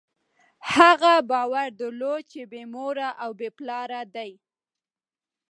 هغه باور درلود، چې بېمور او بېپلاره دی.